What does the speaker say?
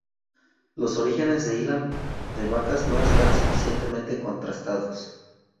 Los orígenes de Illán de Vacas no están suficientemente contrastados.